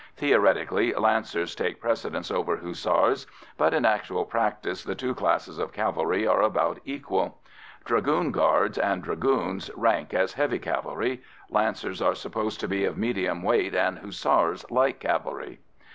Theoretically, Lancers take precedence over Hussars, but in actual practice the two classes of cavalry are about equal. Dragoon Guards and Dragoons rank as heavy cavalry; Lancers are supposed to be of medium weight, and Hussars light cavalry.